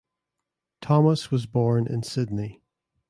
Thomas was born in Sydney.